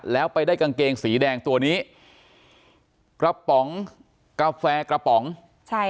แล้วไปได้กางเกงสีแดงตัวนี้กระป๋องกาแฟกระป๋องใช่